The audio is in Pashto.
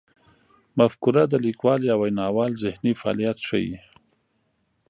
مفکوره د لیکوال یا ویناوال ذهني فعالیت ښيي.